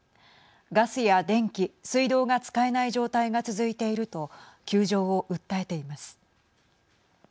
ガスや電気水道が使えない状態が続いていると窮状を訴えています。